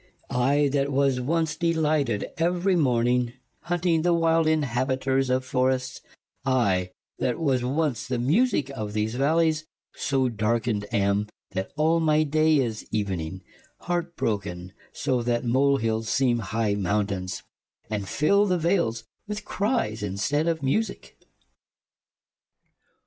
I that was once delighted every morning y Hunting the wilde inhabiters of forrests y I that was once the musique of these v allies y So darkened am y that all my day is evening y Hart broken so y that molehilles seeme high mount aines y And fill the vales with cries in steed of musique